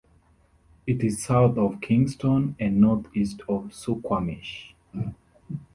It is south of Kingston and northeast of Suquamish.